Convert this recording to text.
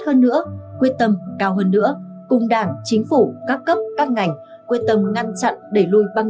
hơn nữa quyết tâm cao hơn nữa cùng đảng chính phủ các cấp các ngành quyết tâm ngăn chặn đẩy lùi băng